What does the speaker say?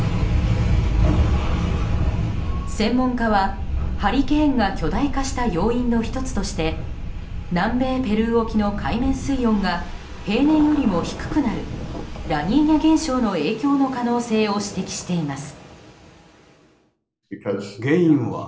専門家はハリケーンが巨大化した要因の１つとして南米ペルー沖の海面水温が平年よりも低くなるラニーニャ現象の影響の可能性を指摘しています。